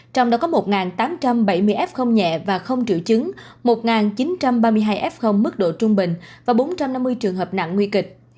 trong đó có một tám trăm bảy mươi f nhẹ và không triệu chứng một chín trăm ba mươi hai f mức độ trung bình và bốn trăm năm mươi trường hợp nặng nguy kịch